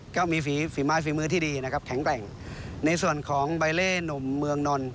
ก็มีฝีฝีไม้ฝีมือที่ดีนะครับแข็งแกร่งในส่วนของใบเล่หนุ่มเมืองนนท์